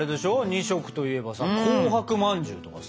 ２色といえばさ紅白まんじゅうとかさ。